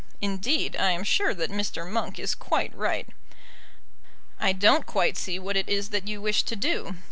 Indeed, I am sure that Mr. Monk is quite right. I don't quite see what it is that you wish to do.